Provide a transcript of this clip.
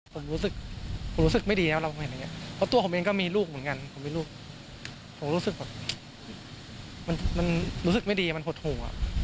ผมรู้สึกไม่ดีนะเพราะตัวผมก็มีลูกเหมือนกันผมรู้สึกว่ามันรู้สึกไม่ดีมันหดหู